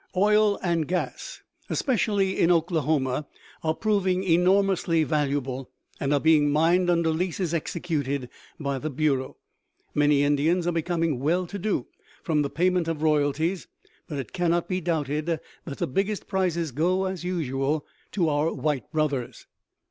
Oil and gas, especially in Oklahoma, are proving enormously valuable, and are being mined under leases executed by the Bureau. Many Indians are becoming well to do from the payment of royalties, but it cannot be doubted that the biggest prizes go, as usual, to our white brothers.